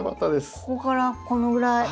ここからこのぐらい。